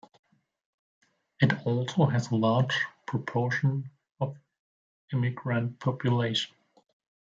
It also has a large proportion of immigrant population.